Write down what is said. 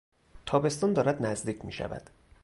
تابستان دارد نزدیک میشود.